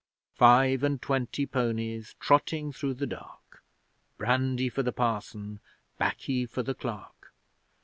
Five and twenty ponies, Trotting through the dark Brandy for the Parson, 'Baccy for the Clerk.